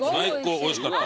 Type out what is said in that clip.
おいしかった。